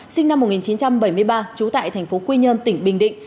sinh năm một nghìn chín trăm bảy mươi ba trú tại tp quy nhơn tỉnh bình định